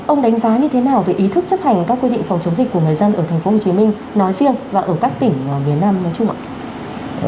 ông đánh giá như thế nào về ý thức chấp hành các quy định phòng chống dịch của người dân ở thành phố hồ chí minh nói riêng và ở các tỉnh miền nam nói chung ạ